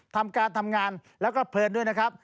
ทำการทำงานแล้วก็เพลินด้วยนะครับ